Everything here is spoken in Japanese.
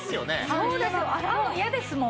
そうですよ洗うの嫌ですもん。